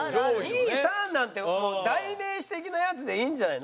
２３なんて代名詞的なやつでいいんじゃないの？